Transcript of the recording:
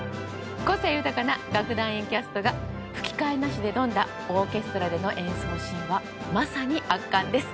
個性豊かな楽団員キャストが吹き替えなしで挑んだオーケストラでの演奏シーンはまさに圧巻です。